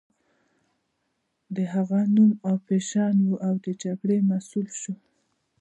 د هغه نوم افشین و او د جګړې مسؤل شو.